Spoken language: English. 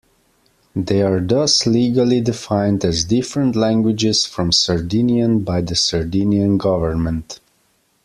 They are thus legally defined as different languages from Sardinian by the Sardinian government.